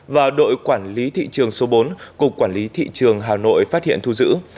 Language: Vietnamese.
và đội quản lý thị trường số bốn cục quản lý thị trường hà nội phát hiện thu giữ